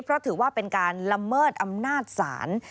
เพราะถือว่าเป็นการละเมิดอำนาจศาล